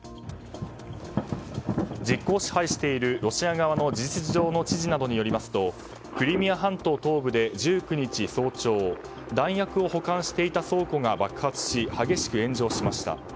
実効支配しているロシア側の事実上の知事などによりますとクリミア半島東部で１９日早朝弾薬を保管していた倉庫が爆発し激しく炎上しました。